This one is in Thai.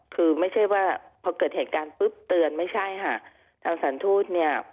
คือไม่ใช่ว่าพอเกิดเหตุการณ์ปุ๊บเตือนไม่ใช่ค่ะทางสถานทูตเนี่ย